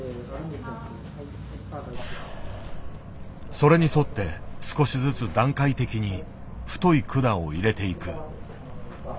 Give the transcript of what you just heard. それに沿って少しずつ段階的に太い管を入れていく。